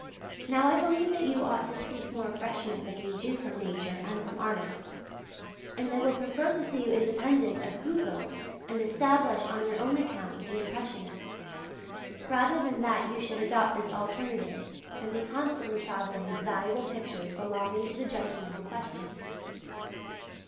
Now I believe that you ought to seek more refreshment than you do from Nature and from artists. And I would prefer to see you independent of Goupil's and established on your own account with the Impressionists, rather than that you should adopt this alternative and be constantly travelling with valuable pictures belonging to the gentlemen in question.